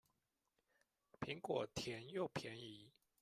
蘋果甜又便宜